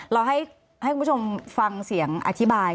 เราให้คุณผู้ชมฟังเสียงอธิบาย